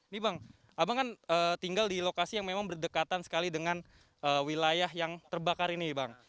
nih bang abang kan tinggal di lokasi yang memang berdekatan sekali dengan wilayah yang terbakar ini bang